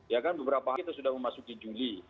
ya kan beberapa hari itu sudah memasuki juli